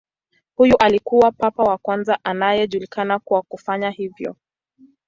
Huyu alikuwa papa wa kwanza anayejulikana kwa kufanya hivyo.